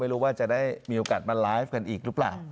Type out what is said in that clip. ว่าจะได้มีโอกาสมาไลฟ์กันอีกหรือเปล่า